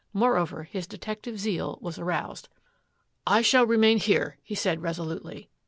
Moreover, his detective zeal was aroused. " I shall remain here," he said resolutely.